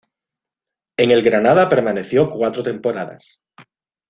En el Granada permaneció cuatro temporadas.